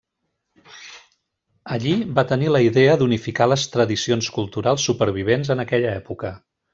Allí, va tenir la idea d'unificar les tradicions culturals supervivents en aquella època.